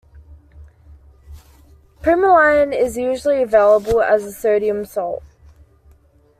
Primuline is usually available as a sodium salt.